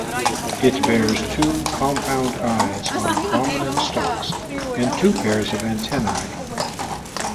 It bears two compound eyes on prominent stalks, and two pairs of antennae.